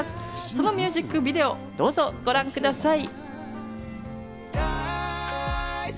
そのミュージックビデオをどうぞご覧ください。